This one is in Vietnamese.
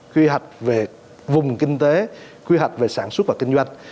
quy hoạch về vùng kinh tế quy hoạch về sản xuất và kinh doanh